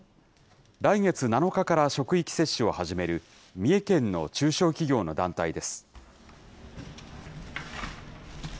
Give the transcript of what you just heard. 来月７日から職域接種を始める三重県の中小企業の団体です。